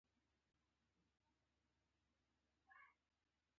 له کوره وتلو مخکې تشناب ته ولاړ شئ.